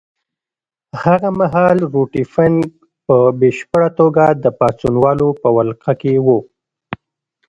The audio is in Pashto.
هغه مهال روټي فنک په بشپړه توګه د پاڅونوالو په ولکه کې وو.